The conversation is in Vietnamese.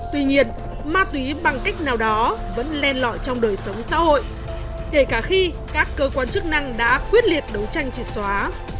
tuy nhiên ma túy bằng cách nào đó vẫn len lọi trong đời sống xã hội kể cả khi các cơ quan chức năng đã quyết liệt đấu tranh triệt xóa